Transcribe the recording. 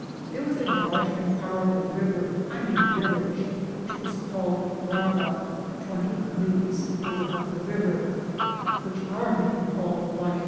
There was a large and powerful river, I mean village, which was called Braba, 20 leagues farther up the river, which our men called Valkdolid.'